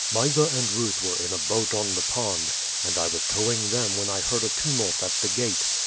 "Mysa and Ruth were in a boat on the pond, and I was towing them when I heard a tumult at the gate.